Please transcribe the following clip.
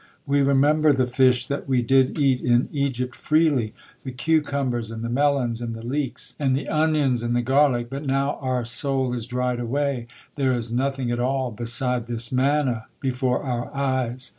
We remember the fish that we did eat in Egypt freely; the cucumbers, and the melons, and the leeks, and the onions, and the garlic. But now our soul is dried away: there is nothing at all, beside this manna before our eyes."